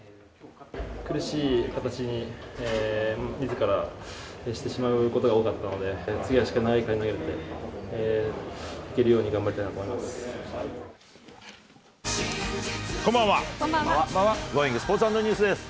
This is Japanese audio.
苦しい形にみずからしてしまうことが多かったので、次はしっかり、長い回をいけるように頑張りたいなと思います。